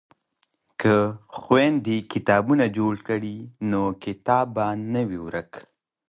که خویندې کتابتون جوړ کړي نو کتاب به نه وي ورک.